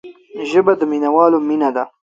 ژبه د مینوالو مینه ده